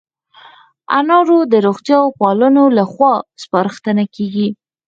انار د روغتیا پالانو له خوا سپارښتنه کېږي.